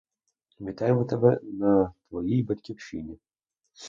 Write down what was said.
Вітаємо тебе на твоїй батьківщині.